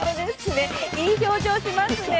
いい表情しますね。